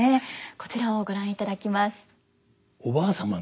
こちらをご覧いただきます。